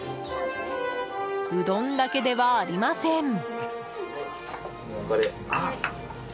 うどんだけではありません。